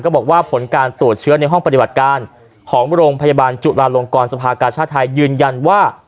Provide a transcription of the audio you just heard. บอกว่าผลการตรวจเชื้อในห้องปฏิบัติการของโรงพยาบาลจุลาลงกรสภากาชาติไทยยืนยันว่า